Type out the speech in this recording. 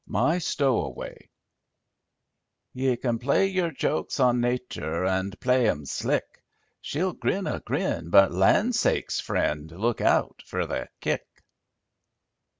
My Stowaway "Ye can play yer jokes on Nature, An' play 'em slick, She'll grin a grin, but, landsakes, friend, Look out fer the kick!"